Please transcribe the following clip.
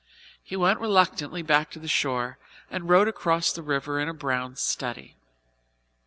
He went reluctantly back to the shore and rowed across the river in a brown study.